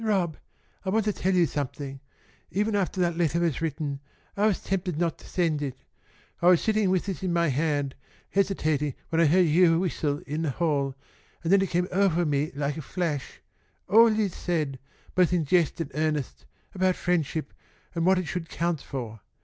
"Rob, I want to tell you something. Even after that letter was written I was tempted not to send it. I was sitting with it in my hand, hesitating, when I heard yoah whistle in the hall, and then it came ovah me like a flash, all you'd said, both in jest and earnest, about friendship and what it should count for.